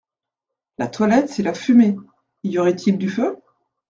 La toilette, c’est la fumée ! y aurait-il du feu ?